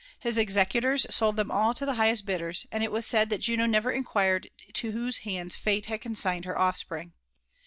Kfteaecnloas sold) them all to tbe highest bidders ; and it was said that Imianeviar ioquinedi to whose hands fate bad oonsigBied bet effspriog.